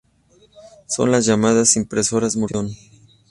Son las llamadas impresoras multifunción.